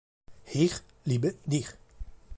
Ich liebe dich